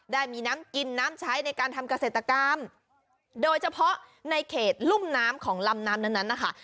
ได้มีน้ำกินน้ำใช้ในการทำเกษตรกรรมโดยเฉพาะในเขตรุ่มน้ำของลำน้ำนั้นนะคะ